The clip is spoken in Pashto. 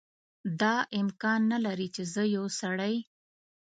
دا امکان نه لري چې زه یو سړی.